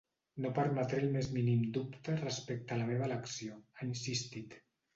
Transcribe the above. No permetré el més mínim dubte respecte a la meva elecció, ha insistit.